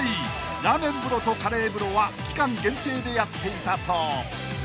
［ラーメン風呂とカレー風呂は期間限定でやっていたそう］